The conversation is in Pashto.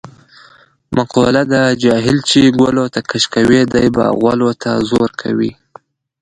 مقوله ده: جاهل چې ګلوته کش کوې دی به غولو ته زور کوي.